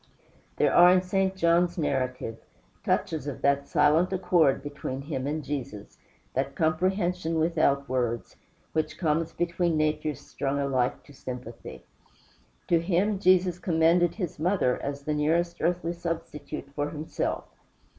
There are in St. John's narrative touches of that silent accord between him and Jesus, that comprehension without words, which comes between natures strung alike to sympathy. To him Jesus commended his mother, as the nearest earthly substitute for himself.